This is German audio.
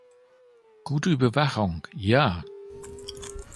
Gute Überwachung: Ja!